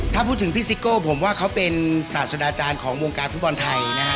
ถ้าพูดถึงพี่ซิโก้ผมว่าเขาเป็นศาสดาจารย์ของวงการฟุตบอลไทยนะฮะ